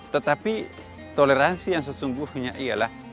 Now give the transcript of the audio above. tetapi toleransi yang sesungguhnya ialah